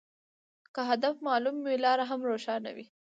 که هدف معلوم وي، لار هم روښانه وي.